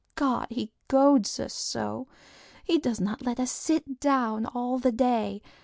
God! he goads us so! He does not let us sit down all the day.